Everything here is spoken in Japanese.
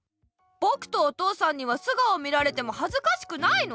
ぼくとお父さんには素顔見られてもはずかしくないの？